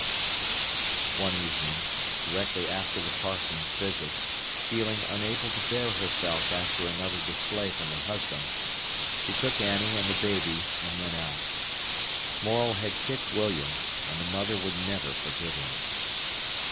One evening, directly after the parson's visit, feeling unable to bear herself after another display from her husband, she took Annie and the baby and went out. Morel had kicked William, and the mother would never forgive him.